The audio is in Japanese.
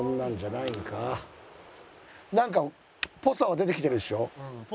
なんかっぽさは出てきてるでしょ？